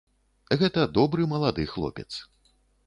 Гэта добры малады хлопец.